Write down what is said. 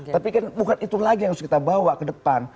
tapi kan bukan itu lagi yang harus kita bawa ke depan